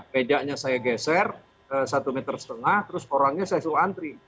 pedangnya saya geser satu meter setengah terus orangnya saya suantri